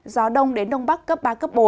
gió đông đến đông bắc cấp ba bốn